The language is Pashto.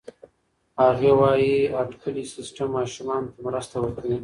هغې وايي اټکلي سیستم ماشومانو ته مرسته ورکوي.